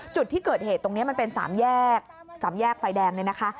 จุดที่เกิดเหตุตรงนี้มันเป็นสามแยกสามแยกไฟแดงเนี่ยนะคะ